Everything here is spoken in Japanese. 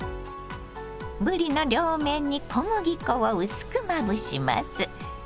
ぶりの両面に小麦粉を薄くまぶします。